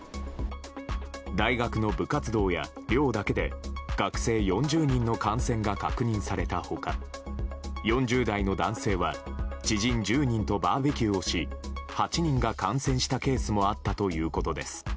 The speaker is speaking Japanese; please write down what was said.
大学の部活動や寮だけで学生４０人の感染が確認された他４０代の男性は知人１０人とバーベキューをし８人が感染したケースもあったということです。